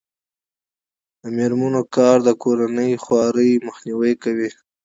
د میرمنو کار د کورنۍ خوارۍ مخنیوی کوي.